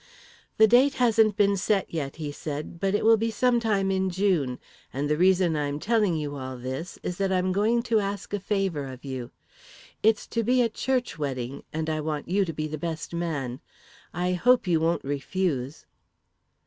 "'The date hasn't been set, yet,' he said, 'but it will be some time in June; and the reason I'm telling you all this is that I'm going to ask a favour of you. It's to be a church wedding and I want you to be best man. I hope you won't refuse.'